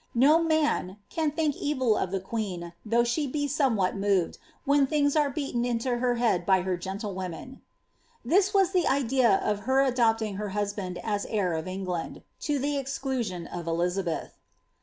No man, 'can think evil •d* the queen, though she be somewhat tnoved, when things are b^ien into her head by her gentlewomen.' " This was the idea of her adopt ing her husband as heir of England.' lo the exclusion of Elizabetb. I i ' L\te o( MagdaU •Mrj pe'.